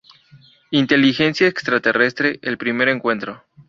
Inteligencia extraterrestre: el primer encuentro.